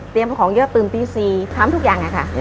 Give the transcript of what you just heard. ของเยอะตื่นตี๔ทำทุกอย่างค่ะ